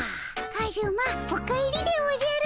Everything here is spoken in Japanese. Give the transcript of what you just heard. カズマお帰りでおじゃる。